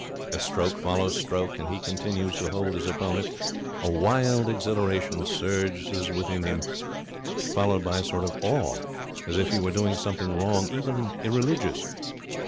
As stroke follows stroke, and he continues to hold his opponent, a wild exhilaration surges through him, followed by a sort of awe, as if he were doing something wrong, even irreligious.